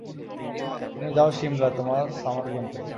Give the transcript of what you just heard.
তুমি যাও শিমলা তোমার সামার ক্যাম্পে।